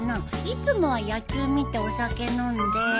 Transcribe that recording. いつもは野球見てお酒飲んで。